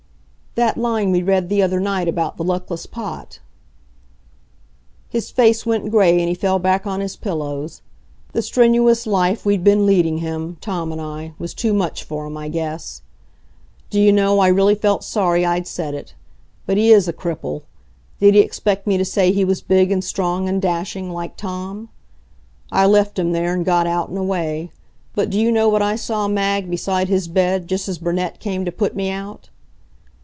"That line we read the other night about 'the luckless Pot'." His face went gray and he fell back on his pillows. The strenuous life we'd been leading him, Tom and I, was too much for him, I guess. Do you know, I really felt sorry I'd said it. But he is a cripple. Did he expect me to say he was big and strong and dashing like Tom? I left him there and got out and away. But do you know what I saw, Mag, beside his bed, just as Burnett came to put me out?